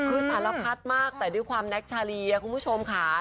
คือสารพัดมากแต่ด้วยความแน็กชาลีคุณผู้ชมค่ะ